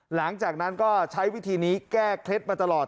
หลังจากนั้นก็ใช้วิธีนี้แก้เคล็ดมาตลอด